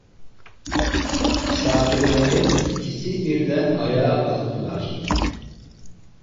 Misafirlerin ikisi birden ayağa kalktılar.